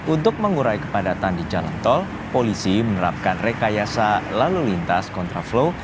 untuk mengurai kepadatan di jalan tol polisi menerapkan rekayasa lalu lintas kontraflow